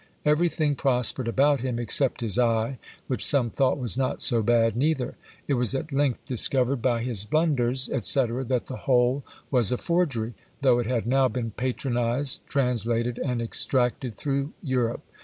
Everything prospered about him, except his eye, which some thought was not so bad neither. It was at length discovered by his blunders, &c., that the whole was a forgery: though it had now been patronised, translated, and extracted through Europe.